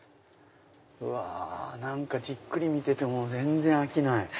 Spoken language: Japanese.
うわじっくり見てても全然飽きない。